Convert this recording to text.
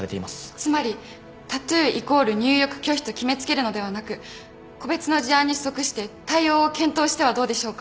つまりタトゥーイコール入浴拒否と決め付けるのではなく個別の事案に即して対応を検討してはどうでしょうか。